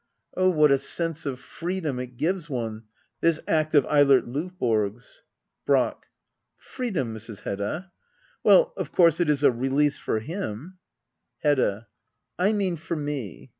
] Oh, what a sense of freedom it gives one, this act of Eilert Lovborg's. Brace. Freedom, Mrs. Hedda ? Well, of course, it is a release for him Hedda. I mean for me.